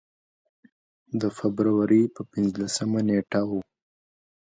د فبروري پر پنځلسمه نېټه و.